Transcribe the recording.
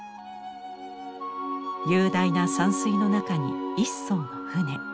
雄大な山水の中に１艘の船。